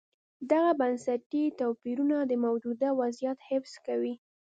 دغه بنسټي توپیرونه د موجوده وضعیت حفظ کوي.